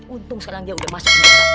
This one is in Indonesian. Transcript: untung sekarang dia udah masuk